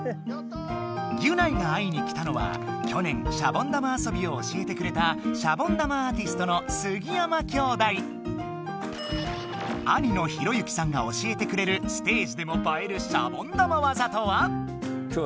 ギュナイが会いに来たのは去年シャボン玉あそびを教えてくれた兄の弘之さんが教えてくれるステージでもばえるシャボン玉わざとは？